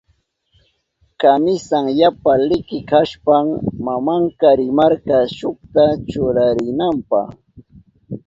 Kamisan yapa liki kashpan mamanka rimarka shukta churarinanpa.